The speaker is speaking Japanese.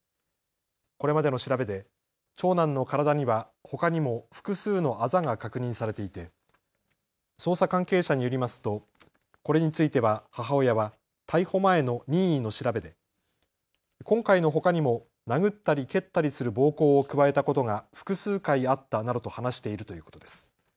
これまでの調べで長男の体にはほかにも複数のあざが確認されていて捜査関係者によりますとこれについては母親は逮捕前の任意の調べで今回のほかにも殴ったり蹴ったりする暴行を加えたことが複数回あったなどと話しているということです。